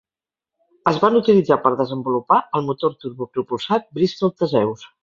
Es van utilitzar per desenvolupar el motor turbopropulsat Bristol Theseus.